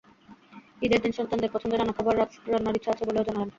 ঈদের দিন সন্তানদের পছন্দের নানা খাবার রান্নার ইচ্ছা আছে বলেও জানালেন।